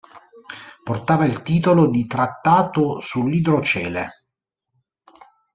Portava il titolo di "Trattato sull'idrocele".